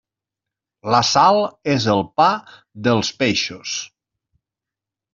La sal és el pa dels peixos.